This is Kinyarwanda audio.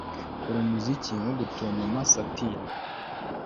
Kora umuziki nko gutontoma satin